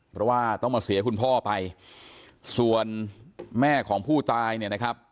เพราะว่าต้องมาเสียคุณพ่อไปส่วนแม่ของผู้ตายเนี่ยนะครับ